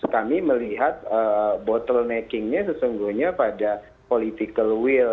kami melihat bottlenecking nya sesungguhnya pada political will